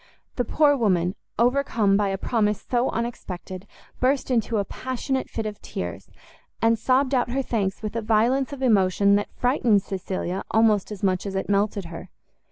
The poor woman, overcome by a promise so unexpected, burst into a passionate fit of tears, and sobbed out her thanks with a violence of emotion that frightened Cecilia almost as much as it melted her.